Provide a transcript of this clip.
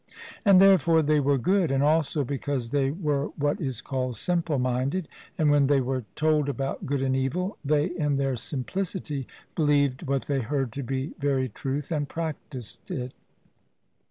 And therefore they were good, and also because they were what is called simple minded; and when they were told about good and evil, they in their simplicity believed what they heard to be very truth and practised it.